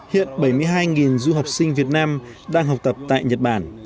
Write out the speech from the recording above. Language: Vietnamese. hiện bảy mươi hai du học sinh việt nam đang học tập tại nhật bản